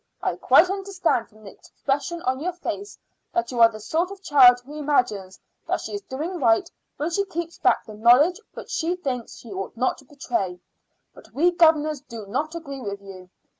I quite understand from the expression of your face that you are the sort of child who imagines that she is doing right when she keeps back the knowledge which she thinks she ought not to betray; but we governors do not agree with you.